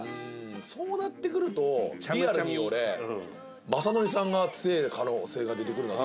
そうなってくるとリアルに俺雅紀さんが強え可能性が出てくるなあと。